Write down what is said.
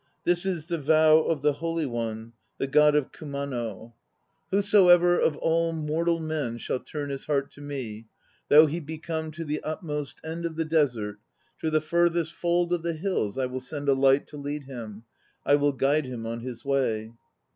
This is the vow of the Holy One, The God of Kumano: 234 THE NO PLAYS OF JAPAN "Whosoever of all mortal men Shall turn his heart to me, Though he be come to the utmost end of the desert, To the furthest fold of the hills, I will send a light to lead him; I will guide him on his way."